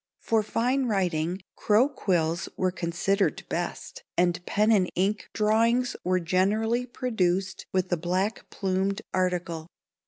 For fine writing, crow quills were considered best, and pen and ink drawings were generally produced with the black plumed article.